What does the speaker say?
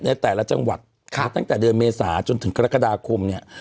ในแต่ละจังหวัดตั้งแต่เดือนเมษาจนถึงกรกฎาคมเนี่ย